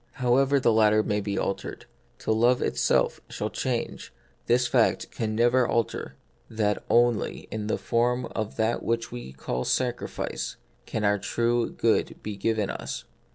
However the latter may be altered, till love itself shall change this fact can never alter — that only ia 44 The Mystery of Pain. the form of that which we call sacrifice can our true good be given us.